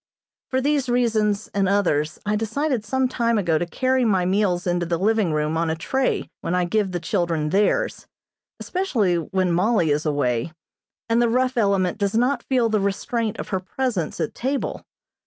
For these reasons and others I decided some time ago to carry my meals into the living room on a tray when I give the children theirs; especially when Mollie is away, and the rough element does not feel the restraint of her presence at table.